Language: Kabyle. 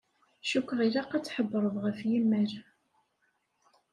Cukkeɣ ilaq ad tḥebbreḍ ɣef yimal.